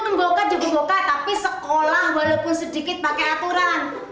eh lo mbokat juga mbokat tapi sekolah walaupun sedikit pake aturan